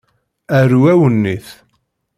Aru awennit.